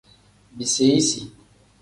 Biseyisi.